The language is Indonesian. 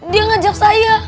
dia ngajak saya